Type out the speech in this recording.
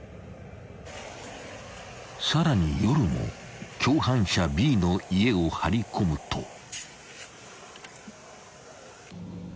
［さらに夜も共犯者Ｂの家を張り込むと］